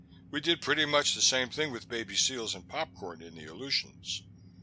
"We did pretty much the same thing with baby seals and popcorn in the Aleutians.